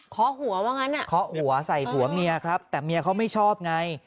ขอหัวว่างั้นอ่ะเคาะหัวใส่ผัวเมียครับแต่เมียเขาไม่ชอบไง